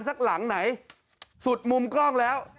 หลังไหนสุดมุมกล้องแล้ว